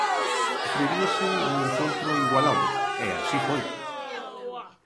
Prevíase un encontro igualado, e así foi.